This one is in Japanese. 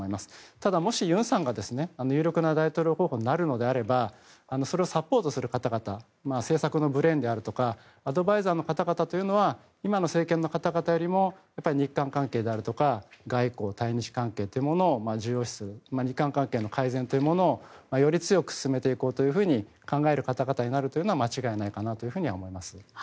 ただ、もしユンさんが有力な大統領候補になるのであればそれをサポートする方々政策のブレーンであるとかアドバイザーの方々というのは今の政権の方々よりも日韓関係であるとか外交、対日関係というものを重要視する、日韓関係の改善をより強く進めていこうと考える方々になるのは間違いないかなと思います。